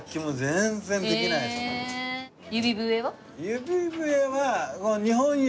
指笛は。